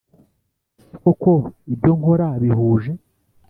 ese koko ibyo nkora bihuje